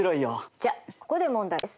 じゃここで問題です。